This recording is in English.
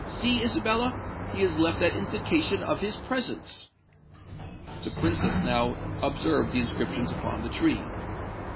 "See, Isabella—he has left that indication of his presence." The Princess now observed the inscriptions upon the tree.